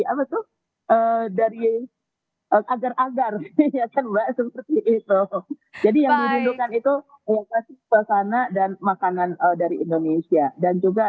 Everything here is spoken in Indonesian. apa tuh dari agar agar seperti itu jadi yang dirindukan itu makanan dari indonesia dan juga